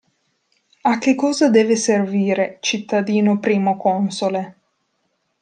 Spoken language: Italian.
A che cosa deve servire, cittadino Primo Console?